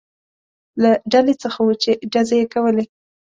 له ډلې څخه و، چې ډزې یې کولې.